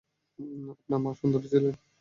আপনার মা সুন্দরী ছিলেন।